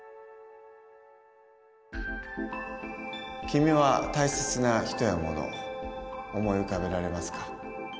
君は大切な人やもの思い浮かべられますか？